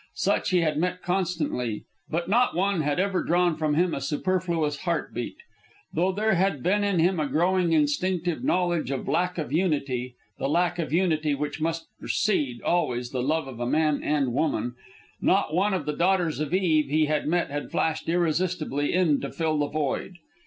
Such he had met constantly, but not one had ever drawn from him a superfluous heart beat. Though there had been in him a growing instinctive knowledge of lack of unity, the lack of unity which must precede, always, the love of man and woman, not one of the daughters of Eve he had met had flashed irresistibly in to fill the void.